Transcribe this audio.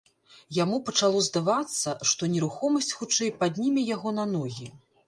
Яму пачало здавацца, што нерухомасць хутчэй падніме яго на ногі.